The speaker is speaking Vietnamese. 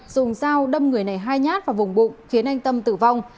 dùng dao đâm người này hai nhát vào vùng bụng khiến anh tâm tử vong